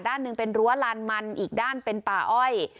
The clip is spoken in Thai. ด้านหนึ่งเป็นรั้วลานมันอีกด้านเป็นป่าอ้อย